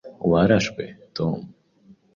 Warashwe, Tom.